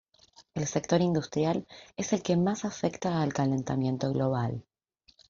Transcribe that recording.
El sector industrial es el que más afecta al calentamiento global.